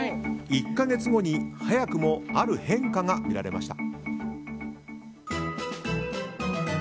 １か月後に早くもある変化が見られました。